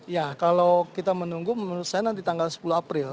ya kalau kita menunggu menurut saya nanti tanggal sepuluh april